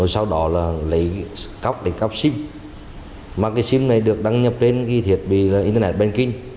sau đó lấy cắp để cắp sim mà cái sim này được đăng nhập đến thiệt bị internet banking